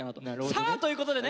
さあ！ということでね。